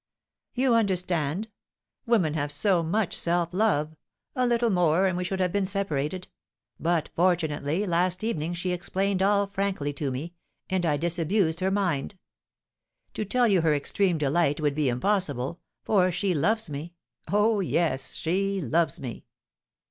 "You understand? Women have so much self love, a little more and we should have been separated; but, fortunately, last evening she explained all frankly to me, and I disabused her mind. To tell you her extreme delight would be impossible, for she loves me, oh, yes, she loves me!